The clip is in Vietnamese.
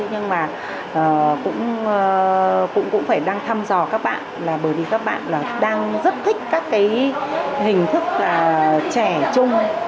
nhưng mà cũng phải đang thăm dò các bạn là bởi vì các bạn đang rất thích các cái hình thức là trẻ chung